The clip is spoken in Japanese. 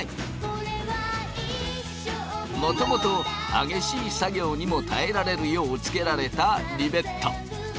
もともと激しい作業にも耐えられるようつけられたリベット。